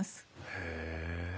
へえ。